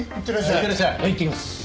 いってきます。